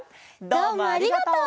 どうもありがとう！